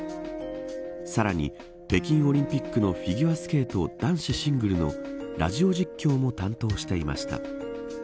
さらに、北京オリンピックのフィギュアスケート男子シングルのラジオ実況も担当していました。